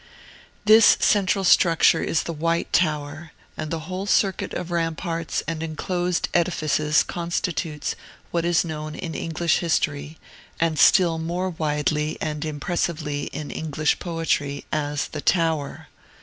This central structure is the White Tower, and the whole circuit of ramparts and enclosed edifices constitutes what is known in English history, and still more widely and impressively in English poetry, as the Tower.